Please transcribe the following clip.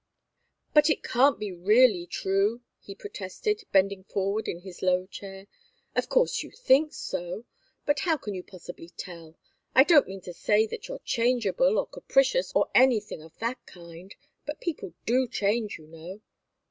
"But it can't be really true!" he protested, bending forward in his low chair. "Of course you think so but how can you possibly tell? I don't mean to say that you're changeable, or capricious, or anything of that kind but people do change, you know.